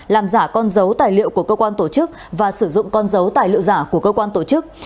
làm giả con dấu tài liệu của cơ quan tổ chức và sử dụng con dấu tài liệu giả của cơ quan tổ chức